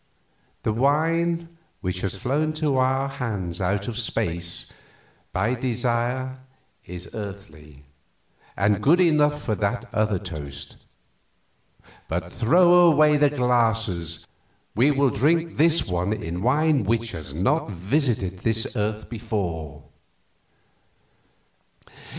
The wine which has flown to our hands out of space by desire is earthly, and good enough for that other toast; but throw away the glasses; we will drink this one in wine which has not visited this world before."